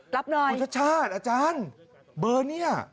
รับหน่อยคุณชาติชาติอาจารย์เบอร์เนี่ย